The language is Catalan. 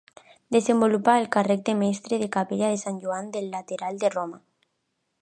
Desenvolupà el càrrec de mestre de capella de Sant Joan del Laterà de Roma.